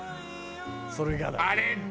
それがだ。